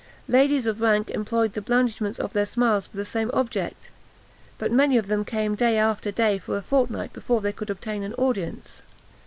Ladies of rank employed the blandishments of their smiles for the same object; but many of them came day after day for a fortnight before they could obtain an audience.